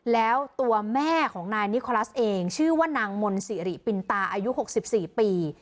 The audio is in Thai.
แล้วตัวแม่ของนายนิคอลัสเองชื่อว่านางมนศิริปินตาอายุ๖๔ปี